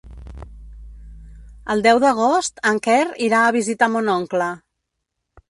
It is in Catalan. El deu d'agost en Quer irà a visitar mon oncle.